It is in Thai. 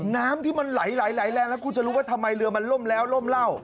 น้ำที่มันไหลแรงแล้วคุณจะรู้ว่าทำไมเรือมันล่มแล้วล่มเหล้า